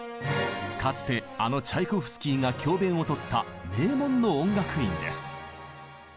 かつてあのチャイコフスキーが教べんを執った名門の音楽院です。